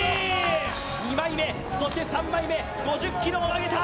２枚目、そして３枚目５０ｋｇも上げた。